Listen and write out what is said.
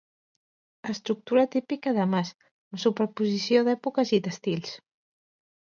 Estructura típica de mas, amb superposició d'èpoques i d'estils.